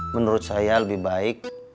menurut saya lebih baik